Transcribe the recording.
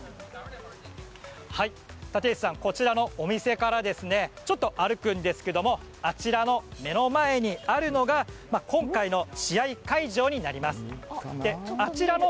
立石さん、こちらのお店からちょっと歩くんですけどあちらの目の前にあるのが今回の試合会場になります。